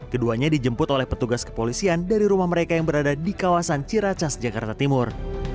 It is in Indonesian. keduanya dijemput oleh petugas kepolisian dari rumah mereka yang berada di kawasan ciracas jakarta timur